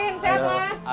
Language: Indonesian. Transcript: mas udin sehat mas